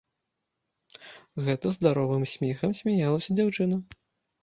Гэта здаровым смехам смяялася дзяўчына.